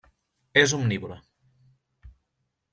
És omnívora.